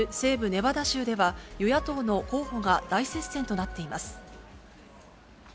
ネバダ州では、与野党の候補が大接戦となっています。